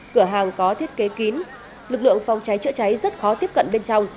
cửa hàng có thiết kế kín lực lượng phòng cháy chữa cháy rất khó tiếp cận bên trong